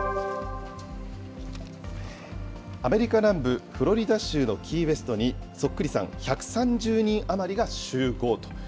アメリカ南部フロリダ州のキーウェストにそっくりさん１３０人余りが集合と。